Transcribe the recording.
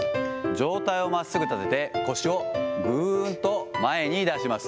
状態をまっすぐ立てて、腰をぐーんと前に出します。